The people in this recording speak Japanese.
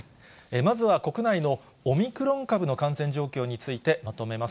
まずは国内のオミクロン株の感染状についてまとめます。